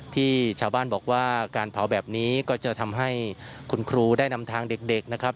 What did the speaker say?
ที่ชาวบ้านบอกว่าการเผาแบบนี้ก็จะทำให้คุณครูได้นำทางเด็กนะครับ